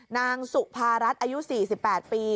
นางสุภารัฐอายุ๔๘ปี